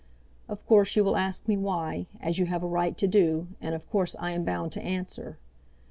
Of course you will ask me why, as you have a right to do, and of course I am bound to answer.